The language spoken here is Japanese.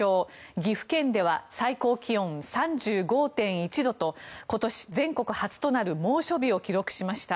岐阜県では最高気温３５．１度と今年全国初となる猛暑日を記録しました。